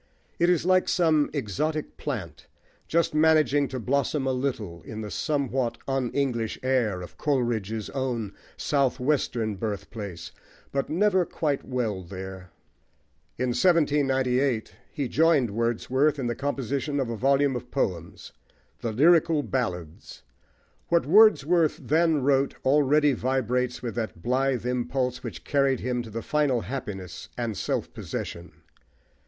It is like some exotic plant, just managing to blossom a little in the somewhat un english air of Coleridge's own south western birthplace, but never quite well there. In 1798 he joined Wordsworth in the composition of a volume of poems the Lyrical Ballads. What Wordsworth then wrote already vibrates with that blithe impulse which carried him to final happiness and self possession.